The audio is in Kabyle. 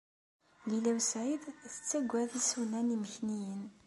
Lila u Saɛid tettagad isunan imekniyen.